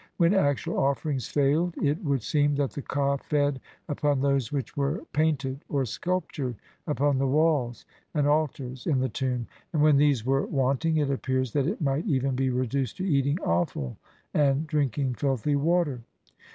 When actual offerings failed it would seem that the ka fed upon those which were painted or sculptured upon the walls and altars in the tomb, and when these were wanting it appears that it might even be reduced to eating offal and drinking filthy water.